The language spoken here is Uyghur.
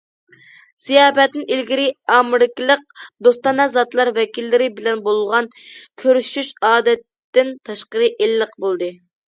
زىياپەتتىن ئىلگىرى، ئامېرىكىلىق دوستانە زاتلار ۋەكىللىرى بىلەن بولغان كۆرۈشۈش ئادەتتىن تاشقىرى ئىللىق بولدى.